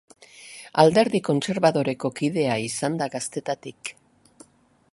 Alderdi Kontserbadoreko kidea izan da gaztetatik.